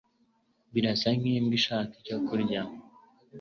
Birasa nkimbwa ishaka icyo kurya. (Tajfun)